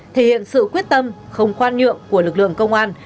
thể hiện sự quyết tâm không khoan nhượng của lực lượng công an